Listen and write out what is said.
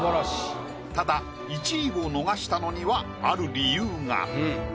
ただ１位を逃したのにはある理由が。